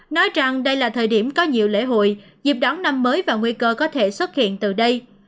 nói rằng đây là thời điểm có nhiều lễ hội dịp đón năm mới và nguy cơ có thể xuất hiện từ đây